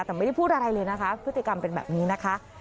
แต่ไม่ได้พูดอะไรเลยนะคะพฤติกรรมเป็นแบบนี้นะคะ